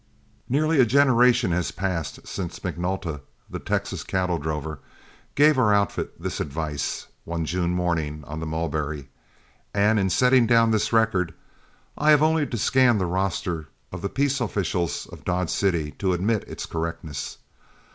Nearly a generation has passed since McNulta, the Texan cattle drover, gave our outfit this advice one June morning on the Mulberry, and in setting down this record, I have only to scan the roster of the peace officials of Dodge City to admit its correctness.